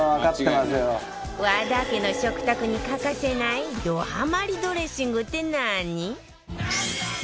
和田家の食卓に欠かせないどハマりドレッシングって何？